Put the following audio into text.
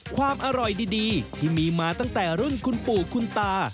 ความอร่อยดีที่มีมาตั้งแต่รุ่นคุณปู่คุณตา